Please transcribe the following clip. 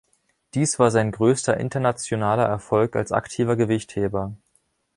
Dies war sein größter internationaler Erfolg als aktiver Gewichtheber.